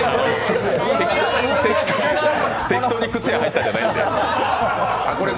適当に靴屋入ったわけじゃないんで。